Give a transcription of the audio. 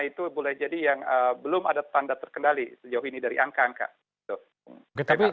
itu boleh jadi yang belum ada tanda terkendali sejauh ini dari angka angka